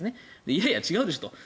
いやいや、違うと。